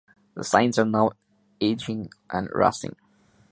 The signs are now aging and rusting.